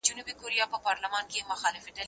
زه اجازه لرم چي ليکلي پاڼي ترتيب کړم!؟